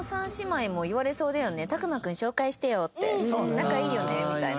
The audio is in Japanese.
「仲良いよね」みたいな。